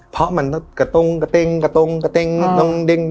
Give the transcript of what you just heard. เพราะมันกระตุ้งกระติ้งกระตุ้งกระติ้ง